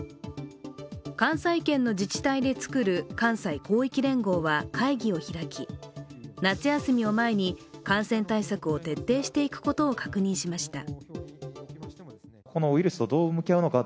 関西圏の自治体でつくる関西広域連合は会議を開き夏休みを前に感染対策を徹底していくことを確認しました。